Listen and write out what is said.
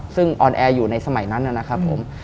ซึ่งออนแอร์อยู่ในสมัยนั้นนะครับผม